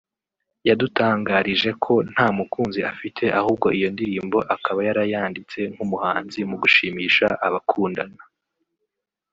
yadutangarije ko nta mukunzi afite ahubwo iyo ndirimbo akaba yarayanditse nk’umuhanzi mu gushimisha abakundana